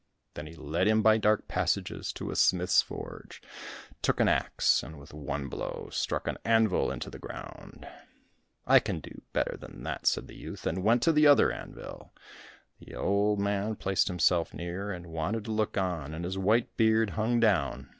Then he led him by dark passages to a smith's forge, took an axe, and with one blow struck an anvil into the ground. "I can do better than that," said the youth, and went to the other anvil. The old man placed himself near and wanted to look on, and his white beard hung down.